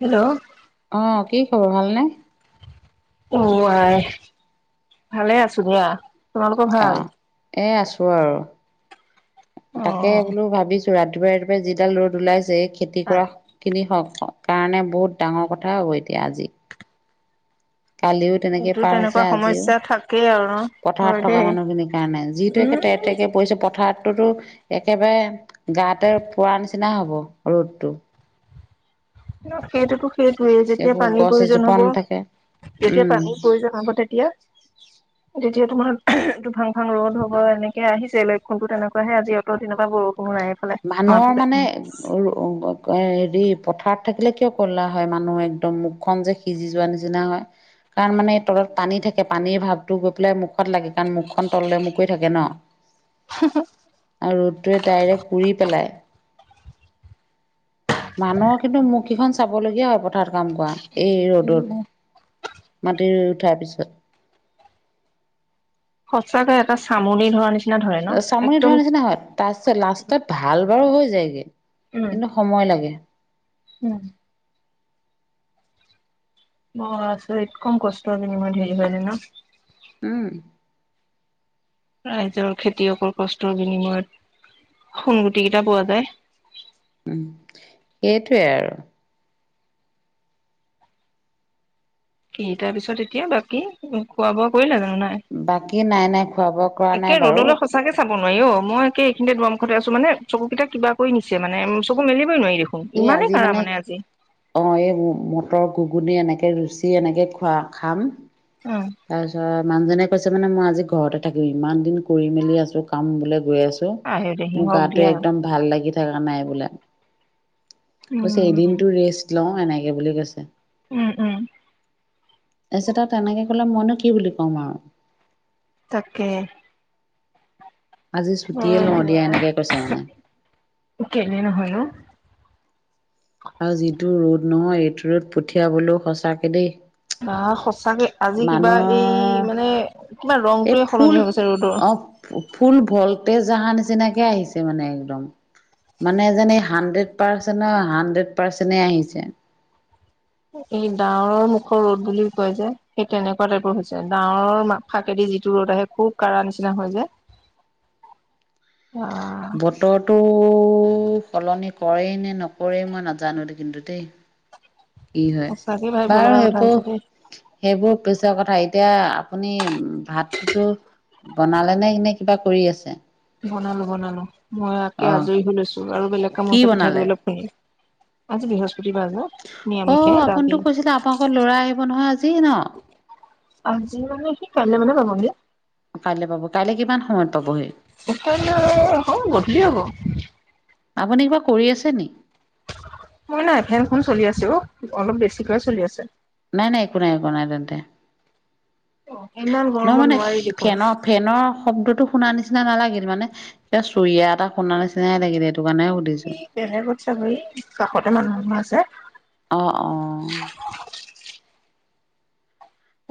Hello, অ, কি খবৰ ভালনে? অ, আই ভালে আছোঁ দিয়া। তোমালোকৰ অ, ভাল? এই আছোঁ আৰু তাকে বোলোঁ ভাবিছোঁ ৰাতিপুৱাই, ৰাতিপুৱাই যিডাল ৰ'দ ওলাইছে এই খেতি কৰা খিনি, হওঁক কাৰণে বহুত ডাঙৰ কথা হ'ব এতিয়া আজি কালিও তেনেকে এইটো পাৰ হৈছে। তেনেকুৱা আজিও সমস্যা থাকেই আৰু ন হয় পথাৰত থকা দেই। মানুহখিনিৰ কাৰণে, যিটো একে উম তে, তেকে পৰিছে পথ পথাৰততো একেবাৰে গাতে পৰা নিচিনা হ'ব ৰ'দটো। সেইটোতো সেইটোৱে যেতিয়া একো পানীৰ গছ প্ৰয়োজন এজোপা হ'ব। নাথাকে যেতিয়া উম তাকো প্ৰয়োজন হ'ব তেতিয়া? [inaudible] যেতিয়া তোমাৰ এইটো ফাং, ফাং ৰ'দ হ'ব, এনেকে আহিছে লক্ষ্যণতো তেনেকুৱাহে আজি অত দিনৰ পৰা বৰষুণ এক মানুহে মানে অ, অ, হেৰি পথাৰত থাকিলে কিয় ক'লা হয়, মানুহ একদম মুখ খন যে সিজি যোৱাৰ নিচিনা হয়। কাৰণ মানে তলত পানী থাকে, পানীৰ ভাৱটো গৈ পেলাই মুখত লাগে, কাৰণ মুখ খন তললৈ মূৰ কৰি থাকে ন, [inaudible] [unintelligible] আৰু ৰ'দটোৱে ডাইৰেক্ট পুৰি পেলাই। মানুহৰ কিন্তু মোৰ কেইখন চাবলগীয়া হয়, পথাৰত কাম কৰা। এই উম ৰ'দত, মাটি ৰুই উঠাৰ পিছত। সঁচাকে এটা চামনি ধৰা নিচিনা ধৰে ন চামনি একদম ধৰা নিচিনা হয়। তাৰপিছত লাষ্টত ভাল বাৰু হৈ যায়গৈ, উম কিন্তু সময় লাগে। উম, বৰ আচৰিত, কম কষ্টৰ হয়নে মাটি ৰুবলে ন, উম, ৰাইজৰ খেতিয়কৰ কষ্টৰ বিনিময়ত, সোনগুটি কেইটা পোৱা যায়। উম, সেইটোৱে আৰু। কি, তাৰপিছত এতিয়া বাকী খোৱা-বোৱা কৰিলা জানোঁ, নাই? বাকী নাই, নাই খোৱ-বোৱা কৰা একে নাই বাৰু। ৰ'দলৈ সঁচাকে চাব নোৱাৰি অ, মই একে এইখিনিতে দৰমুখতে আছো মান চকু কেইটা কিবা কৰি নিছে মানে, চকু মেলিবই নোৱাৰি দেখো এই আজি মানে অ, এই মটৰ, ঘুগুনি এনেকে ৰুচি এনেকে, খোৱা খাম। উম, তাৰ পিছত মানুহজনে কৈছে মানে মই আজি ঘৰতে থাকিম, ইমান দিন কৰি-মেলি আছো, কাম বোলে গৈ আছো। আহে দে মোৰ, সিহক গাটো দিয়া একদম ভাল লাগি থকা নাই বোলে, কৈছে উম এদিনটো ৰেষ্ট লওঁ, এনেকে বুলি কৈছে। উম, উম, তাপিছতে তেনেকে ক'লে মইনো কি বুলি কম আৰু। তাকে। আজি চুটিয়ে লওঁ দিয়া, এনেকে কৈছে মানে। কেলে, নহয় নো? আৰু যিটো ৰ'দ নহয়, এইটো ৰ'দ পঠিয়াবলৈও সঁচাকৈ দেই। বা সঁচাকে, আজি কিবা, এই মানুহৰ মানে কিবা এই ৰংটোয়ে ফুল সলনি হৈ গৈছে ৰ'দৰ। অ ফুল ভলটেজ, অহা নিচিনাকে আহিছে মানে, একদম। মানে এ যেনে, এই হাণ্ড্ৰেড পাৰ্চেণ্টৰ, হাণ্ড্ৰেড পাৰ্চেণ্টেই আহিছে। এই ডাৱৰৰ মুখৰ ৰ'দ বুলি কয় যে, সেই তেনেকুৱা টাইপৰ হৈছে, ডাৱৰৰ ম ফাকেদি যিটো ৰ'দ আহে। খুব কাঢ়া নিচিনা, হয় যে। [inaudible] [unintelligible] বতৰটো। টো সলনি কৰেই নে, নকৰেই, মই নাজানোঁ কিন্তু দেই। কি হয়, সঁচাকে ভাবিব বাৰু লগা কথা সেইবোৰ হৈছে দেই সেইবোৰ পিছৰ কথা, এতিয়া আপুনি, ভাতটোতো বনালে নে, এনে কিবা কৰি আছে। বনালো, বনালোজ মই একে অহ আজৰি হৈ লৈছোঁ, আৰু বেলেগ কি কামও আছে বনালে? পিঠাগুৰি অলপ খুন্দ আজি বৃহস্পতিবাৰ ন। অ', আপুনিতো কৈছিলে, আপোনোকৰ ল'ৰা আহিব নহয় আজি ন। আজি মানে, সি কাইলৈ মানে পাবহি। কাইলে পাব, কাইলে কিমান সময়ত পাবহি? [unintelligible] হ'ব গধূলি হ'ব। আপুনি, কিবা কৰি আছে নি? একো নাই, ফেনখন চলি আছো অ', অলপ বেছিকৈ চলি আছে। নাই, নাই একো নাই, একো নাই, তেন্তে ইমান নহয় গৰমত মানে নোৱাৰি দেখোন ফেনৰ ফেনৰ শব্দটো শুনা নিচিনা নালাগিল মানে, কিবা চৰিয়া এটা শুনা নিচিনাই লাগিলে, এইটো কাৰণে হে এই বেলেগত ছাগৈ, এই কাষতে মানুহ এঘৰ আছে। অ', অ'।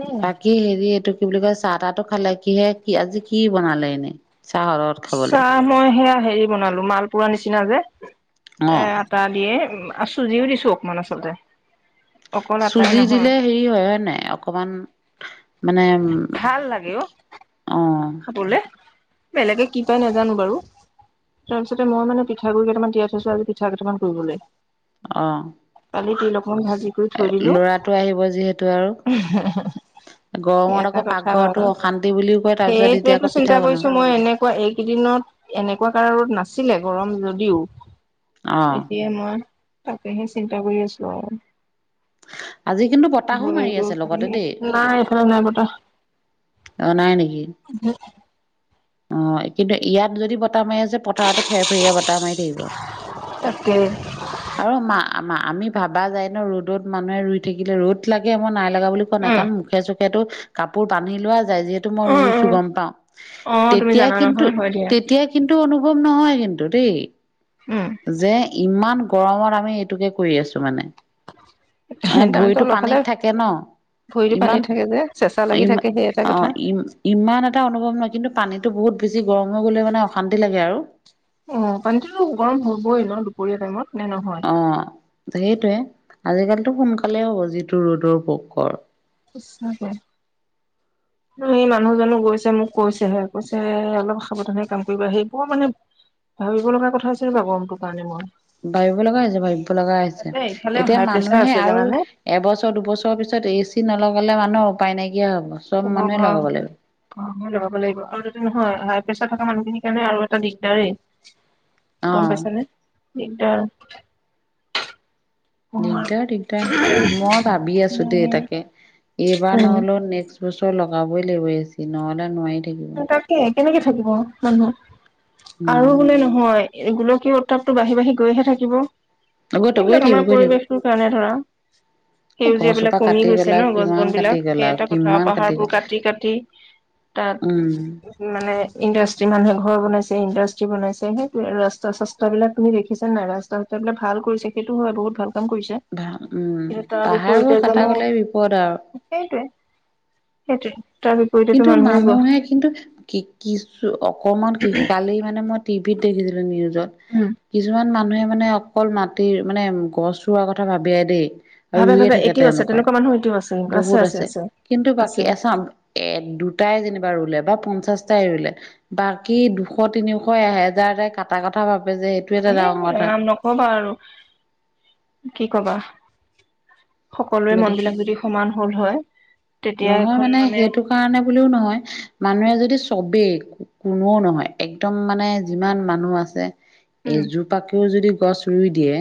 এ বাকী হেৰি, এইটো কি বুলি কয়, চাহ-তাহটো খালে, কিহে কি আজি কি বনালে এনেই। চাহৰ লগত খাবলে চাহ মই হেয়া হেৰি বনালো, মালপুৰা নিচিনা যে, অ এয়া। তাৰ দিয়ে, আ, চুজিও দিছোঁ অকমান আচলতে। অকল আটাই চুজি নহয় দিলে হেৰি হয়, হয় নাই, অকমান মানে ভাল লাগে অ অ'। খাবলে, বেলেগে কি পায়, নাজানোঁ বাৰু। তাৰপিছতে, মই মানে পিঠাগুৰি কেইটামান তিয়াই থৈছিলোঁ, আজি পিঠা কেইটামান পুৰিবলে। অ'। কালি তিল অকমান, ভাজি কৰি থৈ দিলোঁ। ল'ৰাটো আহিব যিহেতু আৰু গৰমত আকৌ, পাকঘৰতো অশান্তি বুলি সেইটোয়েটো চিন্তা কৰিছোঁ মই, এনে কোৱা, এইকেইদিনত এনেকুৱাকে কাঢ়া ৰ'দ নাছিলে, গৰম যদিও। অ এতিয়া মই, তাকেহে চিন্তা কৰি আছোঁ আৰু। আজি কিন্তু বতাহো মাৰি আছে লগতে দেই নাই, এই ফালে নাই, বতাহ। অ', নাই নেকি? [inaudible] অ', কিন্তু ইয়াত যদি বতাহ মাৰি আছে, পথাৰতো ফেৰ-ফেৰিয়ে বতাহ মাৰি দিব। তাকে আৰু মা, মা আমি ভাবা যায় ন, ৰ'দত মানুহে ৰুই থাকিলে ৰ'দ লাগে, মই নাই লগা বুলি কোৱা নাই, উম কাৰণ মুখে-চুখেতো কাপোৰ বান্ধি লোৱা যায়, যিহেতু। এইটো মই উম উম ৰুইছো গম পাওঁ, অ তুমি তেতিয়া জানা কিন্তু নহয় হয় দিয়া তেতিয়া কিন্তু অনুভৱ নহয় কিন্তু দেই। উম। যে ইমান গৰমত আমি এইটোকে কৰি আছো মানে। মানে ভৰিটো পানীত থাকে ন'। ভৰিটো ইমান পানীত থাকে যে চেঁচা লাগি ইমা থাকে সেই এটাই অ কথা। ই ইমান এটা অনুভৱ নহয় কিন্তু পানীটো বহুত বেছি গৰম হৈ গ'লে মানে অশান্তি লাগে আৰু। অ, পানীটোতো গৰম হবই ন' দুপৰীয়া টাইমত নে নহয়? অ, সেইটোৱে আজিকালিতো সোনকালে হ'ব যিটো ৰ'দৰ পকৰ। খচ [inaudible] হয় [inaudible] সেই মানুহজনো গৈছে মোক কৈছেহে, কৈছে অলপ সাৱধানে কাম কৰিবা। সেই বৰ মানে ভাবিব লগা কথা আছিল নাই গমটো কাৰনে মই? ভাবিব লগা হৈছে, ভাবিব লগা হৈছে, তাতে এইফালে এতিয়া হাই প্ৰেছাৰ মানুহে আছে আৰু জানানে এবছৰ দুবছৰৰ পিছত এ চি নলগালে মানুহৰ উপায় নাইকিয়া হ'ব। চব উ হ মানুহে লগাব [unintelligible] লাগিব। অ, লগাব লাগিব আৰু তাতে নহয় হাই প্ৰেছাৰ থকা মানুহখিনিৰ কাৰণে আৰু এটা দিগদাৰেই। গম অ' পাইছানে? দিগদাৰ। দিগদাৰ, দিগদাৰ। মই ভাবি আছো দেই তাকে এইবাৰ উম নহলেও নেক্স বছৰ লগাবই লাগিব নহলে নোৱাৰি থাকিব। তাকে কেনেকে থাকিব মানুহ আৰু উম, বোলে নহয়, হয়। গোলকীয় উত্তাপটো বাঢ়ি, বাঢ়ি গৈহে থাকিব। গৈ গৈ সেইবিলাক থাকিব আমাৰ গৈ থাকিব। পৰিৱেশটোৰ কাৰণে ধৰা। এই সেউজীয়াবিলাক গছজোপা কমি কাটি গৈছে গ'লা ন? গছ কিমান বন কাটি বিলাক গ'লা সেই এটা কথা কিমান পাহাৰবোৰ গ'লা। কাটি, কাটি তাত উম। মানে ইণ্ডাষ্ট্ৰি মানুহে ঘৰ বনাইছে ইণ্ডাষ্ট্ৰি বনাইছে সেই ৰাস্তা-চাস্ত বিলাক তুমি দেখিছা নাই, ৰাস্তা বিলাব ভাল কৰিছে সেইটো হয় বহুত ভাল কাম কৰিছে। ভাল উম, কিন্তু তাৰ পাহাৰ বিপৰীতে বোৰ কটা জানো গলেই বিপদ আৰু। সেইটোৱে, সেইটোৱে। তাৰ বিপৰীতেতো কিন্তু মানুহে কিন্তু কি কিছু অকমান কি কালি মানে মই টিভিত দেখিছিলো নিউজত। উম কিছুমান মানুহে মানে অকল মাটিৰ মানে গছ ৰোৱাৰ কথা ভাবিয়েই দেই। ভাবে ৰুইয়ে ভাবে থাকে এতিয়াও আছে তেওঁলোকে। তেনেকুৱা মানুহ সেইটো আছে। বহুত আছে। কিন্তু বাকী আছে এচাম এ দুটাই যেনিবা ৰুলে বা পঞ্চাশটাই ৰুলে, বাকী দুশ, তিনিশ, এহাজাৰ কে কটা কথা ভাবে যে। এটা এ ডাঙৰ কথা আম নকবা আৰু কি কবা? সকলোৰে মন গতিকে বিলাক যদি সমান হল হয়। তেতিয়া নহয় এখন মানে সেইটো কাৰণে বুলিও নহয়। মানুহে যদি চবেই কোনোও নহয়, একদম মানে যিমান মানুহ আছে। উম এজোপাকেও যদি গছ ৰুই দিয়ে।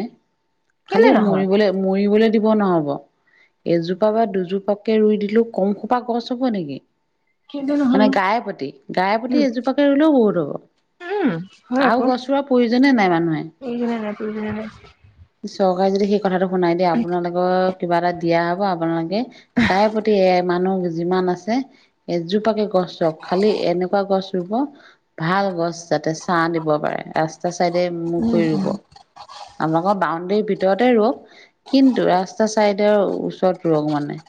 কেলে খালি নহয় মৰিবলে, মৰিবলৈ দিব নহব। এজোপা বা দুজোপাকে ৰুই দিলও কম খোপা গছ হব নেকি? কেলে মানে নহয়নো গায়ে প্ৰতি, গায়ে প্ৰতি উম এজোপাকে ৰুলেও বহুত হ'ব। উম হয় আও আকৌ গছ ৰোৱাৰ প্ৰয়োজনে নাই মানুহে। প্ৰয়োজনে নাই, প্ৰয়োজনে নাই। চৰকাৰে যদি সেই কথাটো শুনাই দিয়ে আপোনালোকক কিবা এটা দিয়া হব। আপোনালো কে গায়ে পতি এ মানুহ যিমান আছে এজোপাকে গছ ৰোৱক খালি এনেকুৱা গছ ৰুব ভাল গছ যাতে ছাঁ দিব পাৰে, ৰাস্তা চাইডে মুখ উম কৰি ৰুব। আকৌ বাউণ্ডৰীৰ ভিতৰতে ৰোৱক, কিন্তু ৰাস্তা চাইডৰ ওচৰত ৰোৱক মানে।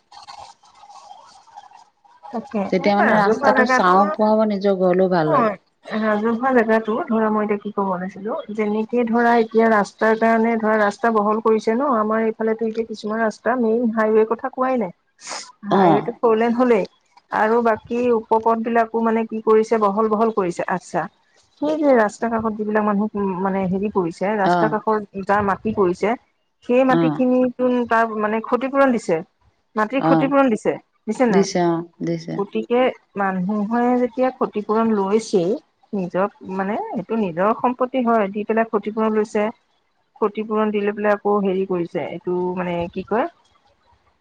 তাকে! তেতিয়া এনেকুৱা মানে ৰাজহুৱা ৰাস্তাটো জেগাটো ছাঁও পোৱা হ'ব নিজৰ ঘৰলৈও ভাল হ'ল [unintelligible] ৰাজহুৱা জেগাতো ধৰা মই এতিয়া কি কব ওলাইছিলো যেনেকে ধৰা এতিয়া ৰাস্ত তাৰ কাৰণে ধৰা ৰাস্তা বহল কৰিছে ন, আমাৰ এইফালেটো এতিয়া কিছুমান ৰাস্তা মেইন হাইৱেৰ কথা কোৱাই নাই। অ হাইৱেটো ফৰলেন হলেই। আৰু বাকী উপপথ বিলাকো মানে কি কৰিছে বহল বহল কৰিছে। আটচ্ছা! সেই যে ৰাস্তা কাষত যিবিলাক মানুহ উ মানে হেৰি কৰিছে অ ৰাস্তা কাষত যাৰ মাটি পৰিছে, সেই অ মাটি খিনি তোন তাৰ মানে ক্ষতিপূৰণ দিছে, মাটিৰ অ ক্ষতিপূৰণ দিছে দিছে নাই? অ' দি গতিকে মানুহে যেতিয়া ক্ষতিপুৰণ লৈছেই। নিজৰ মানে এইটো নিজৰ সম্পত্তি হয় দি পেলাই ক্ষতিপূৰণ লৈছে। ক্ষতিপূৰণ দি লৈ পেলাই আকৌ হেৰি কৰিছে। এইটো মানে কি কয়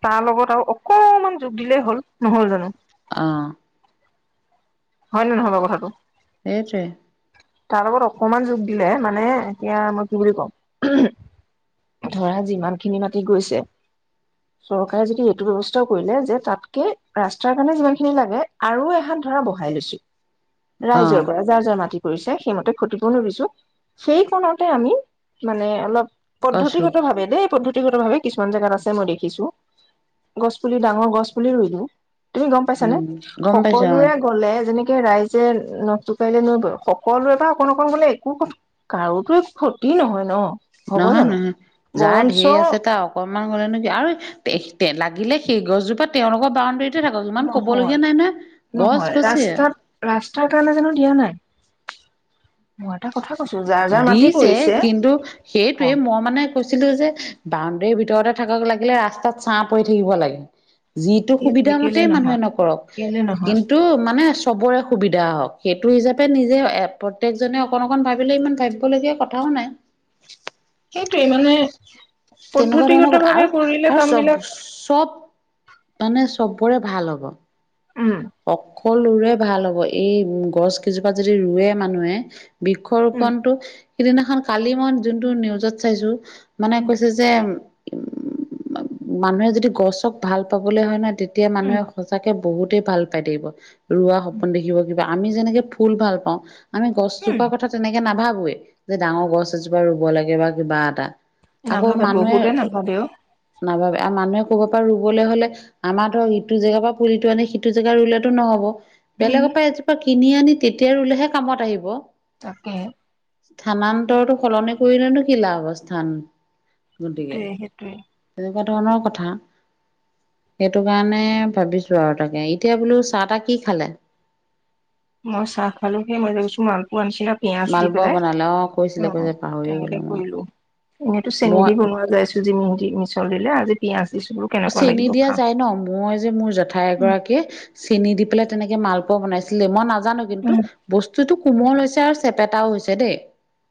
তাৰ লগত আৰু অকমান যোগ দিলেই হ'ল। নহ'ল জানো? অ'। হয়নে নহয় বাৰু কথাটো? সেইটোৱে। তাৰ লগত অকমান যোগ দিলে মানে এতিয়া মই কি বুলি কম ধৰা যিমানখিনি মাতি গৈছে। [inaudible] চৰকাৰে যদি এইটো ব্যয়ৱস্থাও কৰিলে। যে তাতকে ৰাস্তাৰ কাৰণে যিমান খিনি লাগে আৰু এহাত ধৰা বহ হাই লৈছো অ ৰাইজৰ পৰা। যাৰ যাৰ মাটি পৰিছে, সেইমতে ক্ষতিপূৰণো দিছো সেই কণতে আমি মানে অলপ গছ ৰুব পদ্ধতিগতভাৱে দেই পদ্ধতিগতভাৱে। কিছুমান জেগাত আছে মই দেখিছো গছ পুলি ডাঙৰ গছ পুলি ৰুই দিও। তুমি গম উম পাইছানে গম পাইছো অ সকলোৰে কলে যেনেকে ৰাইজে নখ জোকাৰিলে নৈ বয়। সকলোৰে পা অকন অকন গলে একো ক কাৰোতো একো ক্ষতি নহয় ন। হ'ব নহয় জানো নহয়, যাৰ বৰঞ্চ ঢেৰ আছে তাৰ অকমান গলেনো কি আৰু লাগিলে সেই গছজোপা তেওঁলোকৰ বাউণ্ডেৰী তে থাকক ইমান নহয় ক'বলগীয়া নাই নহয় গছ গছে। ৰাস্তাৰ কাৰণে জানো দিয়া নাই। মই এটা কথা কৈছো যাৰ যাৰ মাটি দিছে কৰিছে কিন্তু অ সেইটোৱে মই মানে কৈছিলো যে বাউণ্ডৰীৰ ভিতৰতে থাকক লাগিলে, ৰাস্তাত ছাঁ পৰি থাকিব লাগে। যিটো সেইটোৱে সুবিধা কেলে মতেই মানুহে নহয় নকৰক কেলে নহয় কিন্তু মানে চবৰে সুবিধা হওঁক সেইটো হিচাপে নিজে প্ৰত্যেকজনে অকণ অকণ ভাৱিলে ইমান ভাৱিবলগীয়া কথাও নাই। সেইটোৱে মানে তেনেকুৱা পদ্ধতিগত ধৰণৰ কথা ভাৱে আৰু কৰিলে আৰু কাম বিলাক চব-চব মানে চবৰে ভাল হ'ব। উম। সকলোৰে ভাল হব। এই গছ কেইজোপা যদি ৰোৱে মানুহে - বৃক্ষ উম ৰোপনটো, সেইদিনাখন কালি মই যোনটো নিউজত চাইছোঁ - উম কৈছে যে উ মানুহে যদি গছক ভাল পাবলে হয় নহয় তে তিয়া মানুহে উম সঁচাকে বহুতেই ভাল পাই থাকিব। ৰোৱা সপোন দেখিব কি বা আমি যেনেকে ফুল ভাল পাও। আমি উম গছজোপাৰ কথা তেনেকে নাভাৱোয়েই। যে ডাঙৰ গছ এজোপা ৰোব লাগে বা কিবা এটা। আকৌ নাভাবে মানুহে বহুতে নাভাবে অ নাভাবে মানুহে ক'ৰবা পৰা ৰুবলে হলে - আমাৰ ধৰ ইটো জেগাৰ পৰা পুলিটো আনি আনি সিটো জেগাত ৰুলেতো নহব। উম বেলেগৰ পৰা এজোপা কিনি আনি তেতিয়া ৰুলেহে কামত আহিব। তাকে হে! স্থানান্তৰতো সলনি কৰিলেনো কি লাভ স্থান। গতিকে, সেইটোৱে তেনেকুৱা ধৰণৰ কথা। সেইটো কাৰণে ভাবিছো আৰু তাকে, এতিয়া বোলো চাহ তাহ কি খালে? মই চাহ খালো, সেই মই যে কৈছো মালটো আনিছিলে - পিয়াঁজ দি মালপোৱা পেলাই। বনালে অ অ কৈছিলে অ, কৈছিলে পাহৰিয়ে তেনেকে গলো মই কৰিলো। এনেইতো চেনি মই দি বনোৱা যাই চুজি যি দি মিছল দিলে আজি পিয়াঁজ দিছো বোলো। কেনেকুৱা চেনী লাগিব দিয়া খা যায় ন? মই যে মোৰ জেঠাই উম এগৰাকীয়ে চেনি দি পেলাই তেনেকে মালপোৱা বনাইছিলে মই নাজানো কিন্তু উম - বস্তুটো কোমল হৈছে আৰু চেপেটাও হৈছে দেই।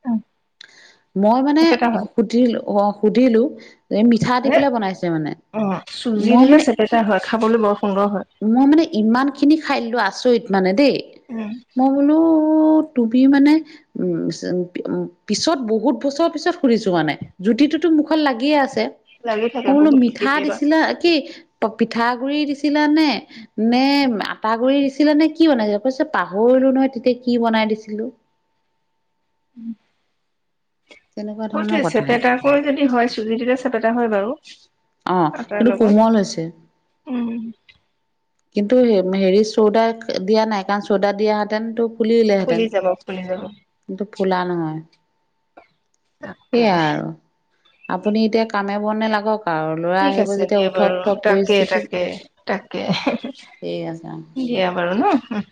উম মই মানে চেপেটা হয় সুধিলো অ সুধিলো - এই মিঠা দি পেলাই বনাইছে মানে - উম, চুজি দিলে চেপেটা হয়। খাবলো বৰ সুন্দৰ হয়। মই মানে ইমানখিনি খাই দিলোঁ আচৰিত মানে দেই। উম। কোনো তুমি মানে - উম উম পিছত বহুত বছৰ পিছত সুধিছো মানে - জুতিটোতো মুখত লাগিয়ে আছে। লাগি থাকে মই বোলো বহুত মিঠা কেতিয়াবা দিছিলা কি - প পিঠাগুড়ি দিছিলা নে? নে আটা গুৰি দিছিলে নে কি বনাইছিলা? কৈছে পাহৰিলো নহয় তেতিয়া কি বনাই দিছিলো। উম। তেনেকুৱা ধৰণৰ সেইটোৱে কথা এটা চেপেটাকৈ যদি হয় চুজি দিলে চেপেটা হয় বাৰু। অ, আটাৰ কিন্তু লগত কোমল হৈছে। উম কিন্তু হেৰিত চ'দা দিয়া নাই কাৰণ চ'দা দিয়া হেতেঁন টো - ফুলি যাব, ফুলি যাব। কিন্তু ফুলা নহয়, তাকে সেইয়া আৰু। আপুনি এতিয়া কামে-বনে লাগক। আৰু ল'ৰা ঠিক আহিব আছে যেতিয়া দিয়া উথপ বাৰু! থপ তাকে পৰিস্থিতি তাকে তাকে। ঠিক আছে অ। দিয়া বাৰু ন উ।